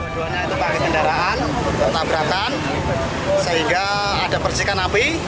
keduanya itu pakai kendaraan ditabrakan sehingga ada persikan api